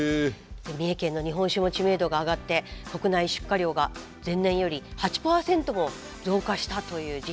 三重県の日本酒も知名度が上がって国内出荷量が前年より８％も増加したという実績も。